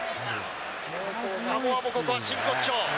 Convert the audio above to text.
サモアもここは真骨頂。